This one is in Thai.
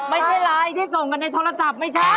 ไม่ใช่ไลน์ที่ส่งกันในโทรศัพท์ไม่ใช่